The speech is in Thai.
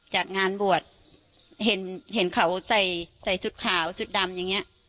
จัดงานบวชเห็นเขาใส่สุดขาวสุดดำอย่างเงี้ย